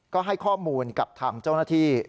ก็ให้ข้อมูลกับทางเจ้าหน้าที่